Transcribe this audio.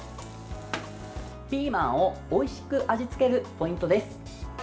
ピーマンをおいしく味付けるポイントです。